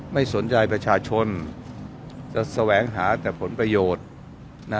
ไม่สนใจประชาชนจะแสวงหาแต่ผลประโยชน์นะ